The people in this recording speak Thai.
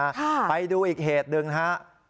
ใช่ไปดูอีกเหตุหนึ่งนะครับ